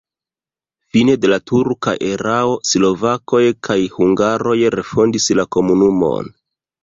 Fine de la turka erao slovakoj kaj hungaroj refondis la komunumon.